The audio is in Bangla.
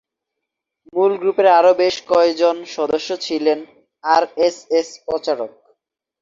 মূল গ্রুপের আরও বেশ কয়েকজন সদস্য ছিলেন আরএসএস প্রচারক।